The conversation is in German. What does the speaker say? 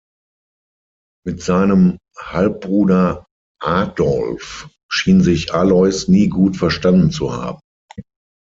Mit seinem Halbbruder Adolf schien sich Alois nie gut verstanden zu haben.